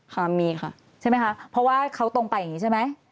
ค่ะมีค่ะใช่ไหมคะเพราะว่าเขาตรงไปอย่างนี้ใช่ไหม